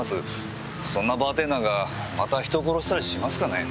そんなバーテンダーがまた人を殺したりしますかね？